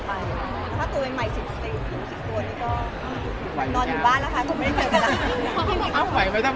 พี่เอ็มเค้าเป็นระบองโรงงานหรือเปลี่ยนไงครับพี่เอ็มเค้าเป็นระบองโรงงานหรือเปลี่ยนไงครับ